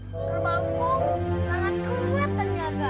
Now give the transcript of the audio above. kerbauku sangat kuat dan jaga